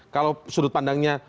kalau sudut pandangnya